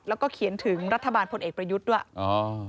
แล้วก็เขียนถึงรัฐบาลพลเอกประยุทธ์ด้วยอ๋อ